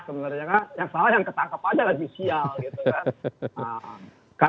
sebenarnya kan yang salah yang ketangkep aja lagi sial gitu kan